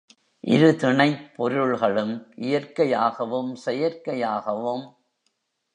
இருதிணைப் பொருள்களும் இயற்கையாகவும் செயற்கையாகவும்